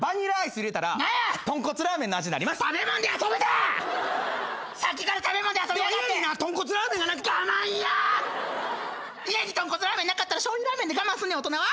家に豚骨ラーメンなかったらしょうゆラーメンで我慢すんねん大人は！